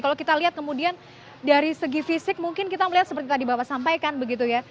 kalau kita lihat kemudian dari segi fisik mungkin kita melihat seperti tadi bapak sampaikan begitu ya